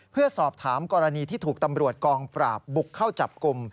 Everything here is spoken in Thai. เพื่อสอบถามกรณีที่ถูกตำรวจกองปราบบุกเข้าจับกลุ่ม